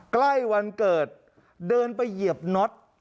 ใกล้วันเกิดเดินไปเหยียบน็อต